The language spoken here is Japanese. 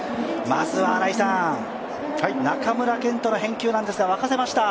まずは新井さん、中村健人の返球なんですが、沸かせました。